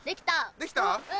できた！